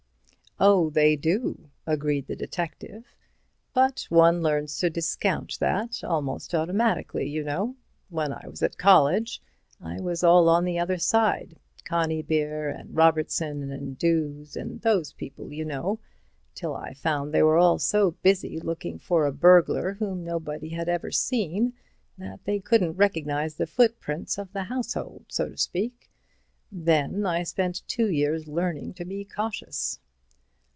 "Oh, they do," agreed the detective, "but one learns to discount that almost automatically, you know. When I was at college, I was all on the other side—Conybeare and Robertson and Drews and those people, you know, till I found they were all so busy looking for a burglar whom nobody had ever seen, that they couldn't recognize the footprints of the household, so to speak. Then I spent two years learning to be cautious."